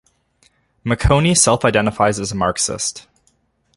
Maconie self-identifies as a Marxist.